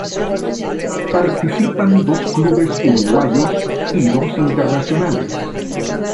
Participan dos clubes uruguayos y dos internacionales.